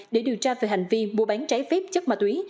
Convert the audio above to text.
để điều tra về hành vi mua bán trái phép chất ma túy